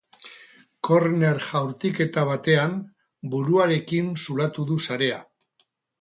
Korner jaurtiketa batean, buruarekin zulatu du sarea.